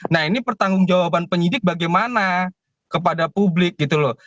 nah ini pertanggung jawaban penyidik bagaimana kepada publik gitu loh